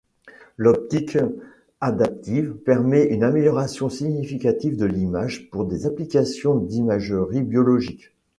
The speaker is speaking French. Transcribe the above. L’optique adaptative permet une amélioration significative de l’image pour des applications d’imagerie biologique.